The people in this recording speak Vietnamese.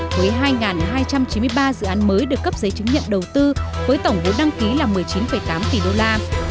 với hai hai trăm chín mươi ba dự án mới được cấp giấy chứng nhận đầu tư với tổng vốn đăng ký là một mươi chín tám tỷ đô la